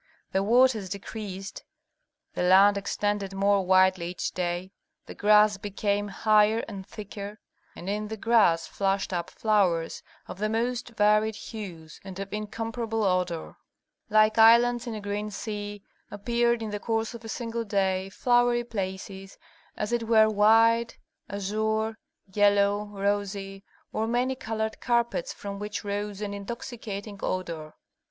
The waters decreased, the land extended more widely each day, the grass became higher and thicker, and in the grass flashed up flowers of the most varied hues and of incomparable odor. Like islands in a green sea appeared, in the course of a single day, flowery places, as it were white, azure, yellow, rosy, or many colored carpets from which rose an intoxicating odor.